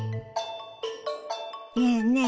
ねえねえ